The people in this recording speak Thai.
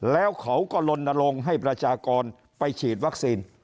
แล้วเขาก็ลนลงให้ประชากรไปฉีดวัคซีน